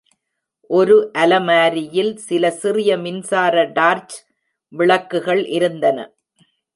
ஒரு அலமாரியில் சில சிறிய மின்சார டார்ச் விளக்குகள் இருந்தன.